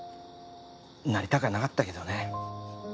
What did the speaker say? なりたかなかったけどね